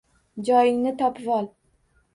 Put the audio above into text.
Joyingni topivol!